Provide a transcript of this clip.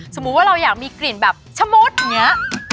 สมมุติว่าเราอยากมีกลิ่นแบบชะมดอย่างนี้